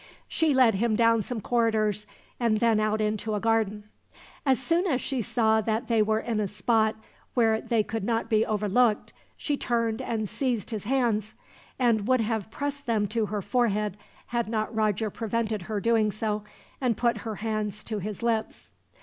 She led him down some corridors and then out into a garden. As soon as she saw that they were in a spot where they could not be overlooked, she turned and seized his hands; and would have pressed them to her forehead, had not Roger prevented her doing so, and put her hands to his lips.